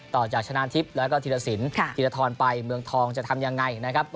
ต่อจากชนะทิพย์แล้วก็ธีรสินธีรทรไปเมืองทองจะทำยังไงนะครับ